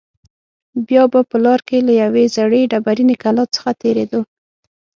بیا به په لاره کې له یوې زړې ډبرینې کلا څخه تېرېدو.